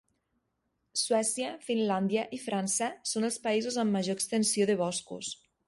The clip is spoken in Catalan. Suècia, Finlàndia i França són els països amb major extensió de boscos.